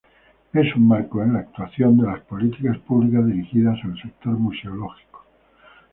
Es un marco en la actuación de las políticas públicas dirigidas al sector museológico.